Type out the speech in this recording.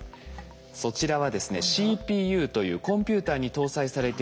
そちらはですねＣＰＵというコンピューターに搭載されている部品です。